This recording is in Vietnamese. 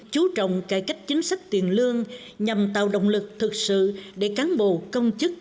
chú trọng cải cách chính sách tiền lương nhằm tạo động lực thực sự để cán bộ công chức